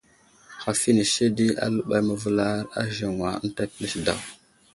Haf inisi di aləɓay məvəlar a aziŋwa ənta pəlis daw.